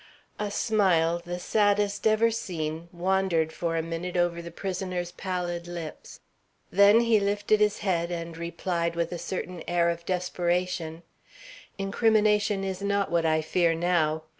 A smile, the saddest ever seen, wandered for a minute over the prisoner's pallid lips. Then he lifted his head and replied with a certain air of desperation: "Incrimination is not what I fear now.